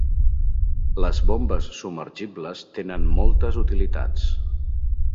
Les bombes submergibles tenen moltes utilitats.